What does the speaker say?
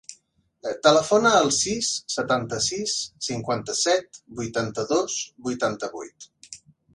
Telefona al sis, setanta-sis, cinquanta-set, vuitanta-dos, vuitanta-vuit.